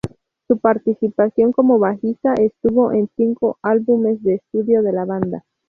Su participación como bajista estuvo en cinco álbumes de estudio de la banda.